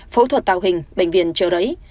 phẫu thuật tàu hình bệnh viện trợ rẫy